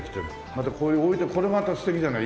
またこういう置いてこれまた素敵じゃない？